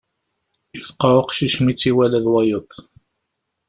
Yefqeɛ uqcic mi tt-iwala d wayeḍ.